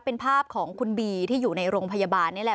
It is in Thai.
เป็นภาพของคุณบีที่อยู่ในโรงพยาบาลนี่แหละ